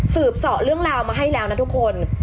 สอบเรื่องราวมาให้แล้วนะทุกคน